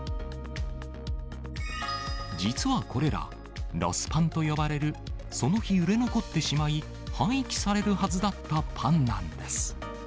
実はこれら、ロスパンと呼ばれる、その日売れ残ってしまい、廃棄されるはずだったパンなんです。